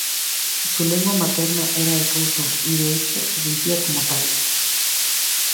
Su lengua materna era el ruso y de hecho se sentía como tal.